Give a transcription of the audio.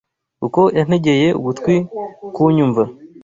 Kuko yantegeye ugutwi kunyumva